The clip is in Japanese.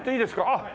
あっ！